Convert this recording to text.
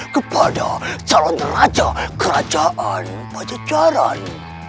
kepada calon raja kerajaan pajajaran